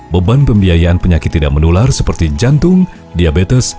beban pembiayaan penyakit tidak menular seperti jantung diabetes